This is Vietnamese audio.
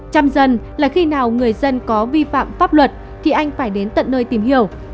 trăm dần là khi nào người dân có vi phạm pháp luật thì anh phải đến tận nơi tìm hiểu